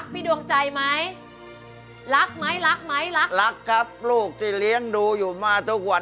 ดวงใจไหมรักไหมรักไหมรักรักครับลูกที่เลี้ยงดูอยู่มาทุกวัน